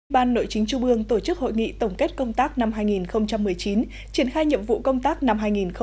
ban nội chính trung ương tổ chức hội nghị tổng kết công tác năm hai nghìn một mươi chín triển khai nhiệm vụ công tác năm hai nghìn hai mươi